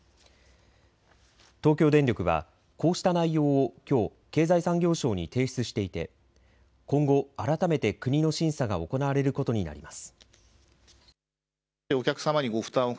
東京電力はこうした内容をきょう経済産業省に提出していて今後、改めて国の審査が行われることになります。